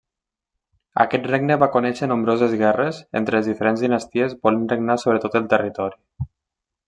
Aquest regne va conèixer nombroses guerres entre les diferents dinasties volent regnar sobre el territori.